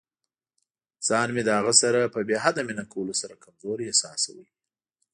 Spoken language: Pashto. ځان مې د هغې سره په بې حده مینه کولو سره کمزوری احساساوه.